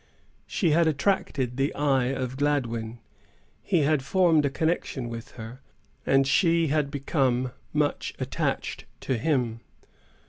She had attracted the eye of Gladwyn. He had formed a connection with her, and she had become much attached to him.